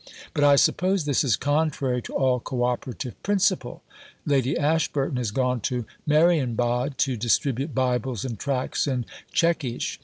But I suppose this is contrary to all Co operative principle. Lady Ashburton is gone to Marienbad, to distribute Bibles and Tracts in Czech ish.